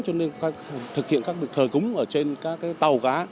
cho nên thực hiện các thời cúng ở trên các tàu cá